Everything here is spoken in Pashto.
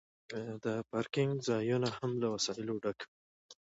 د پارکینګ ځایونه هم له وسایلو ډک وي